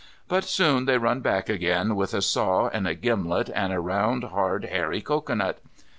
But soon they run back again, with a saw and a gimlet, and a round, hard, hairy cocoanut.